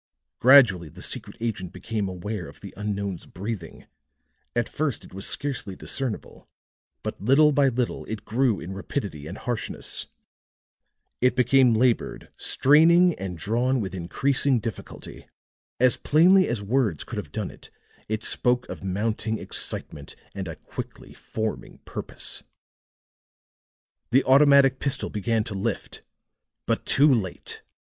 Gradually the secret agent became aware of the unknown's breathing; at first it was scarcely discernible, but little by little it grew in rapidity and harshness; it became labored, straining and drawn with increasing difficulty; as plainly as words could have done it, it spoke of mounting excitement and a quickly forming purpose. The automatic pistol began to lift but too late.